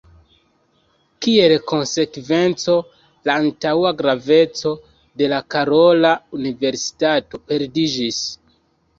Kiel konsekvenco la antaŭa graveco de la Karola universitato perdiĝis.